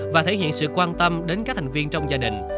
và thể hiện sự quan tâm đến các thành viên trong gia đình